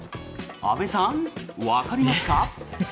安部さん、わかりますか？